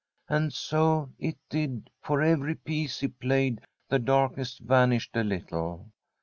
And so it did, for every piece he played the darkness vanished a little.